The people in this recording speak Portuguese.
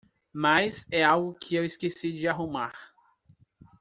Mas é algo que eu esqueci de arrumar.